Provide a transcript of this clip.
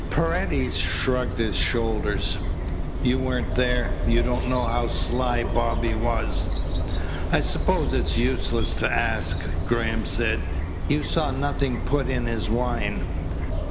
Paredes shrugged his shoulders. "You weren't there. You don't know how sly Bobby was." "I suppose it's useless to ask," Graham said. "You saw nothing put in his wine?"